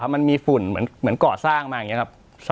มันมีฝุ่นเหมือนก่อสร้างมาอย่างนี้ครับ